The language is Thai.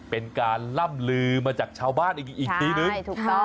เป็นการล่ำลือมาจากชาวบ้านอีกทีนึง